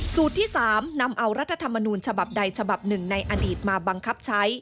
ที่๓นำเอารัฐธรรมนูญฉบับใดฉบับหนึ่งในอดีตมาบังคับใช้